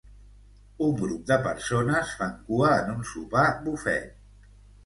Un grup de persones fan cua en un sopar bufet.